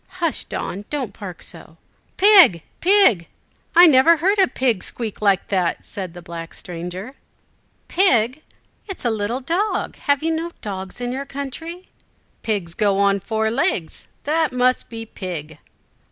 Hush, Don! don't bark so!" "Pig, pig, I never heard a pig squeak like that," said the black stranger. "Pig! It is a little dog. Have you no dogs in your country?" "Pigs go on four legs. That must be pig."